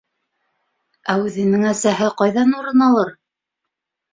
Ә үҙенең әсәһе ҡайҙан урын алыр?